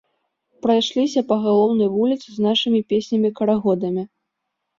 Прайшліся па галоўнай вуліцы з нашымі песнямі-карагодамі.